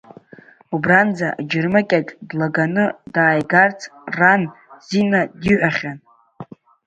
Убранӡа аџьармыкьаҿ длаганы дааигарц ран Зина диҳәахьан.